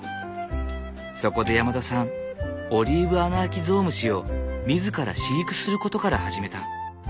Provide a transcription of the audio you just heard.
そこで山田さんオリーブアナアキゾウムシを自ら飼育することから始めた。